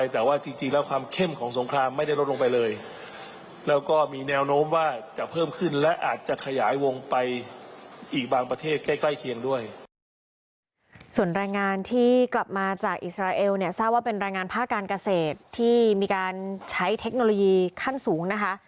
แต่สร้างว่าเป็นรายงานผ้าการเกษตรที่มีการใช้เทคโนโลยีขั้นสูงนะคะ